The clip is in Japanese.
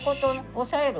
押さえる。